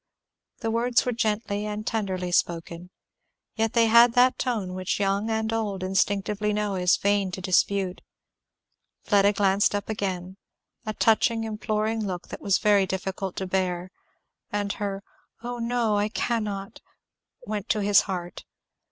The words were gently and tenderly spoken, yet they had that tone which young and old instinctively know it is vain to dispute. Fleda glanced up again, a touching imploring look it was very difficult to bear, and her "Oh no I cannot," went to his heart.